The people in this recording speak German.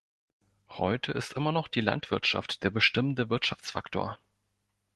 Heute ist immer noch die Landwirtschaft der bestimmende Wirtschaftsfaktor.